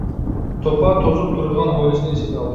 توپا توزۇپ تۇرىدىغان ھويلىسىنى ئېسىگە ئالدى.